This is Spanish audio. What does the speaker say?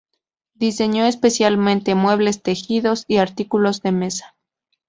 Diseñó especialmente muebles, tejidos y artículos de mesa.